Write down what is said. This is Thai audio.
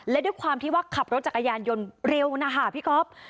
และด้วยความที่ว่าขับรถจักรยานยนต์เร็วนะคะพี่ก๊อฟ